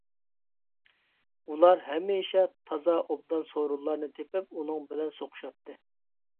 ئۇلار ھەمىشە تازا ئوبدان سورۇنلارنى تېپىپ ئۇنىڭ بىلەن سوقۇشاتتى.